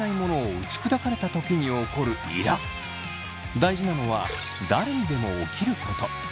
大事なのは誰にでも起きること。